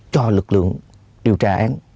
cho lực lượng điều tra án